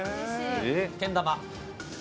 けん玉。